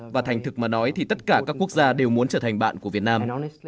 và thành thực mà nói thì tất cả các quốc gia đều muốn trở thành bạn của việt nam